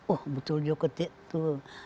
oh betul juga itu